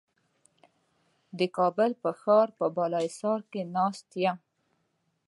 د کابل په ښار په بالاحصار کې ناست یم.